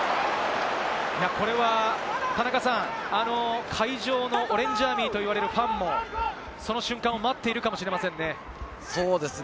これは田中さん、会場のオレンジアーミーといわれるファンも、その瞬間を待っているかもしれませんね。